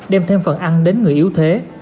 đem thêm phần ăn đến người yếu thế